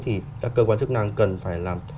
thì các cơ quan chức năng cần phải làm